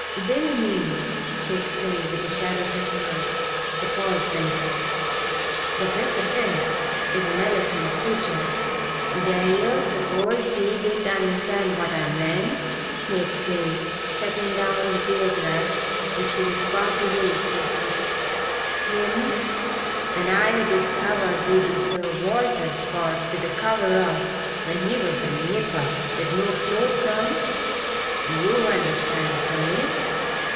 "Bill means," she explained, with the shadow of a smile, for Paul's benefit, "that Mr. Finn is an eloquent preacher." "D'yer suppose he didn't understand what I meant?" he exclaimed, setting down the beer glass which he was about to raise to his lips. "Him, what I discovered reading Sir Walter Scott with the cover off when he was a nipper with no clothes on? You understood, sonny."